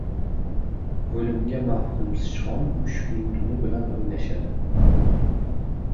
• O‘limga mahkum sichqon mushukning dumi bilan o‘ynashadi.